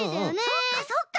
そっかそっか！